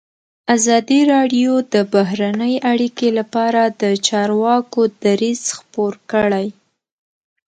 ازادي راډیو د بهرنۍ اړیکې لپاره د چارواکو دریځ خپور کړی.